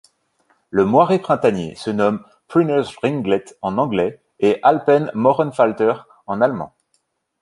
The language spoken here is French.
Le Moiré printanier se nomme de Prunner's Ringlet en anglais et Alpen-Mohrenfalter en allemand.